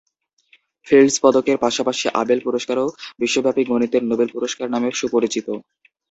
Fields পদকের পাশাপাশি Abel পুরস্কারও বিশ্বব্যাপী গণিতের "নোবেল পুরস্কার" নামে সুপরিচিত।